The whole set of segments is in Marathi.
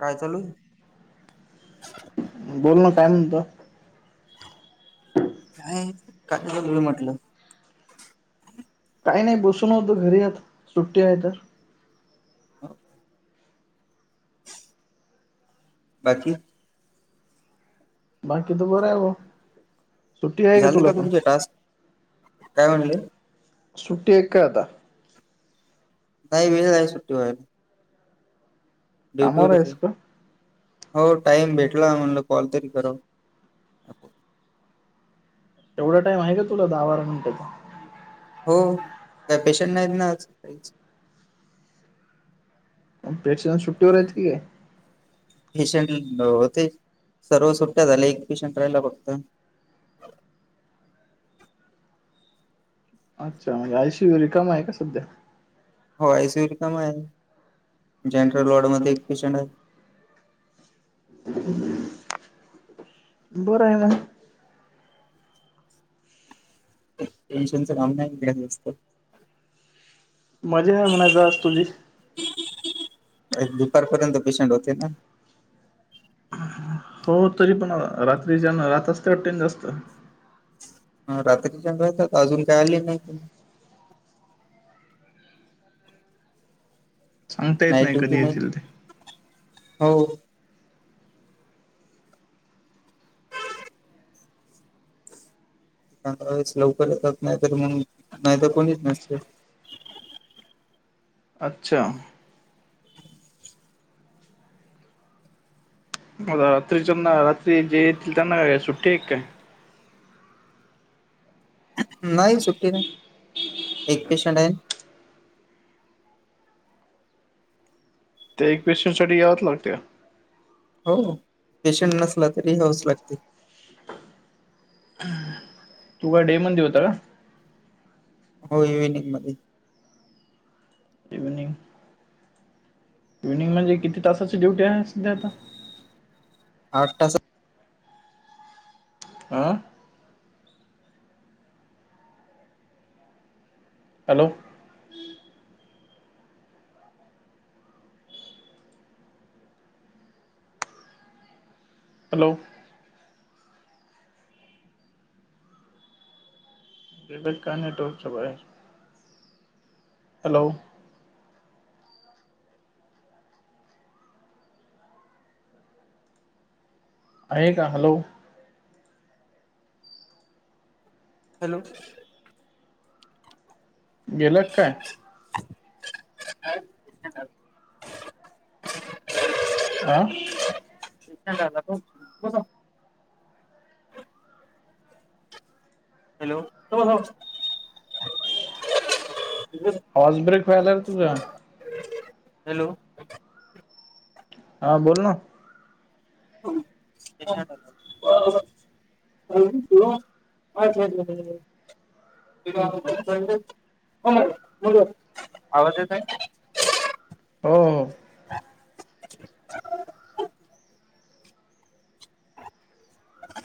काय चालू. बोलण काय म्हणत. का काय तुम्ही म्हटलं. काही नाही बसून होत घरी आत सुट्टी आहे तर. हो. बाकी. बाकी तो बर आहेव. झाले का तुमचे टास्क काय म्हणले. सुट्टी एक काय आता. काही वेळ जा सुट्टी व्हा. कामावर ड्युटीवरच आहेस आहे. का हो टाईम भेटला म्हणलं कॉल तरी करराव एवढा टाइम आहे का तुला दहा बारा मिनिटचा. हो काय पेशंट नाहीत ना अस काही. पेटन सुट्टीवर आहेत की काय. पेशंट होते सर्व सुट्ट्या झाल्या एक पेशंट राहिला फक्त. अच्छा म्हणजे आऐशी रिकम आहे का सध्या. होयसी रिकम आहे जनरल वॉर्ड मध्ये एक पेशंट आहे. ह [inaudible] बरंय मग. टेन्शनचं काम नाहीत मजे ह म्हन दास तुझी.. दुपारपर्यंत पेशंट होते ना. हो तरी पण रात्रीच्यान रातचते वाटेन जास्त. ह रात्री चग येत अजून काय आले नाही पण. सांगता येत नाही कधी दुकीी नाही येतील ते हो. स लवकर येतात नाहीत मग नाहीतर कोणीच नसते. अच्छा! रात्रीच्याना रात्री जे येतील त्यांना सुट्टे एक काय. नाही सुट्टी नाही एक पेशंट आहे. त्या एक पेशंटसाठी यावच लागते.. हो पेशंट नसला तरी यावच लागते. तु काय डे मध्ये होता का? हो इव्हनिंग मध्ये. इव्हनि म्हणजे, किती तासाची ड्युटी आहे, सध्या आता आठ तास आं. हॅलो. हॅलो. गेले काय नेटवर्क च्या बाहेर. हॅलो. आहे का हॅलो. हॅलो. गेल्या काय? का [unintelligible] अं. विछ झा खू [unintelligible] हॅलो, थांबा थांबा. हॉर्स ब्रेक व्हायलार तुझा. हॅलो. हा बोल ना. [unintelligible] [unintelligible] आवाज येतोय. हो हो.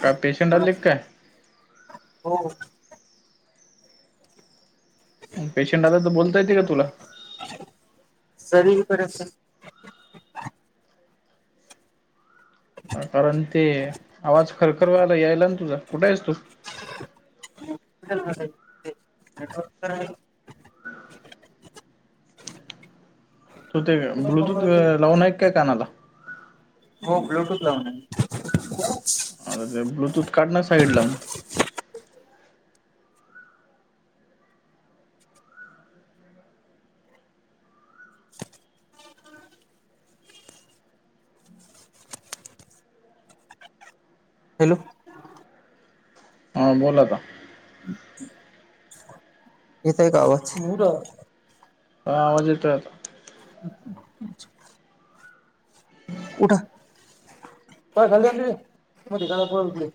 काय पेशंट बोला आले काय? हो. पेशंट आल तर बोलता येते का तुला? सर येई पर्यंत. कारण ते, आवाज खरखरला यायला ना तुझा, कुठेयेस तू. व [unintelligible] तो ते ब्लूटूथ लावून आहे काय कानाला. हो ब्लूटूथ लावूने. आता ते, ब्लूटूथ काढणा साईडला. हॅलो. ह बोला आता. येतोय का आवाज? हा आवाज येतोय आता. [inaudible] हम्. उठा, पळ खाली जा तिकडे, मधी काला पळतो पुढे.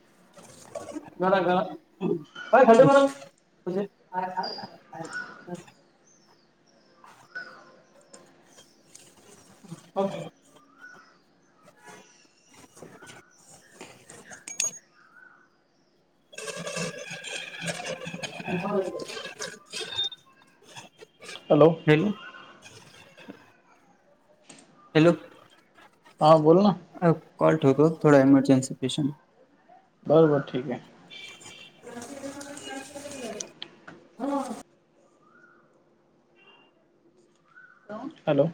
घरा का काय ख बला [unintelligible] अ [inaudible] ओके. [inaudible] [inaudible] हॅलो. हॅलो. हॅलो. ह बोल ना. अ कॉल ठ होोको थोडा एमर्जनसी पेशंट. बरोबर ठीक आहे. [unintelligible] हो. हॅलो.